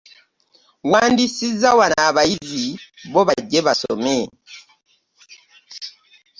Wandiisiza wano abayizi bo bajje basome.